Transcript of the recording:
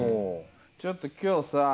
ちょっと今日さ